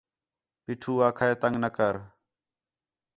پیٹھو آکھا ہِے تنگ نہ کر